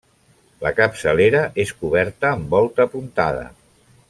La capçalera és coberta amb volta apuntada.